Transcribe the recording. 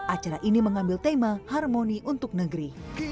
acara ini mengambil tema harmoni untuk negeri